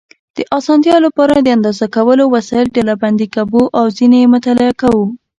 د اسانتیا لپاره د اندازه کولو وسایل ډلبندي کوو او ځینې یې مطالعه کوو.